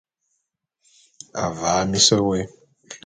Avaa mis wôé.